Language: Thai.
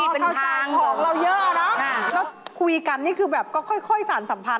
เวรเวร